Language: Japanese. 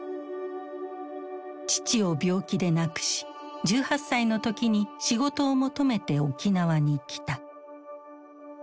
父を病気で亡くし１８歳の時に仕事を求めて沖縄に来た。